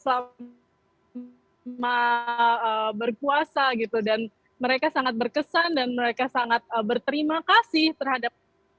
selama berpuasa gitu dan mereka sangat berkesan dan mereka sangat berterima kasih terhadap